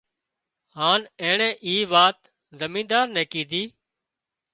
هانَ اينڻي اي وات زمينۮار نين ڪيڌي